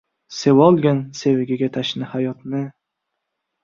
Sevolgin sevgiga tashna hayotni.